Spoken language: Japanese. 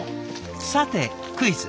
さてクイズ。